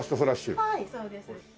はいそうです。